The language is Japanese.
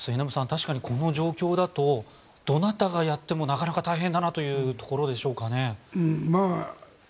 確かにこの状況だとどなたがやってもなかなか大変だなというところでしょうかね。